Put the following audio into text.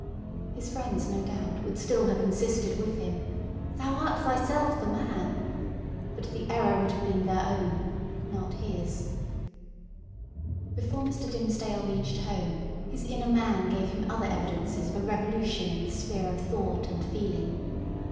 His friends, no doubt, would still have insisted with him—"Thou art thyself the man!" but the error would have been their own, not his. Before Mr. Dimmesdale reached home, his inner man gave him other evidences of a revolution in the sphere of thought and feeling.